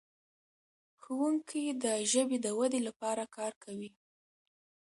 ښوونکي د ژبې د ودې لپاره کار کوي.